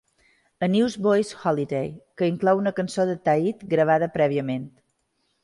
A Newsboys Holiday, que inclou una cançó de Tait gravada prèviament.